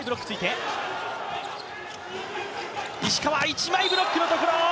一枚ブロックのところ！